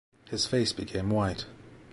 His face became white.